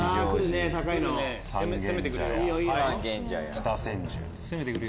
北千住。